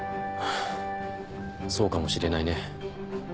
ハァそうかもしれないね。